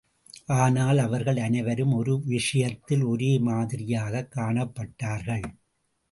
ஆனால், அவர்கள் அனைவரும் ஒரு விஷயத்தில் ஒரே மாதிரியாகக் காணப்பட்டார்கள்.